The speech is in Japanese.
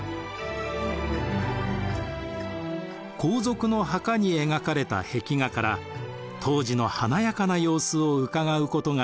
皇族の墓に描かれた壁画から当時の華やかな様子をうかがうことができます。